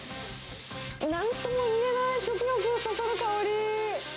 なんとも言えない食欲をそそる香り。